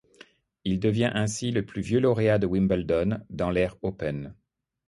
Il devient ainsi le plus vieux lauréat de Wimbledon dans l'ère Open.